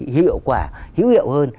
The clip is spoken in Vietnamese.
hiệu quả hữu hiệu hơn